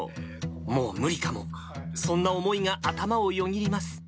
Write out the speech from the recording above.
もう無理かも、そんな思いが頭をよぎります。